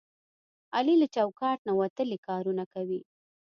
علي له چوکاټ نه وتلي کارونه کوي.